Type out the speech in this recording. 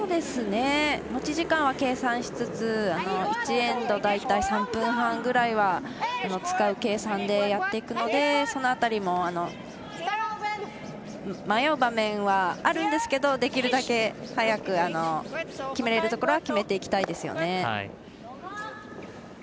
持ち時間は計算しつつ１エンド、大体３分半ぐらいは使う計算でやっていくのでその辺りも迷う場面はあるんですけどできるだけ早く決めれるところは決めていきたいですよね。